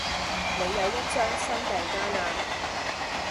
你有一張新訂單呀